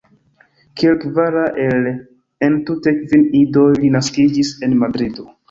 Kiel kvara el entute kvin idoj li naskiĝis en Madrido.